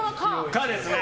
可ですね。